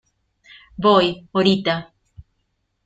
¡ voy, horita!...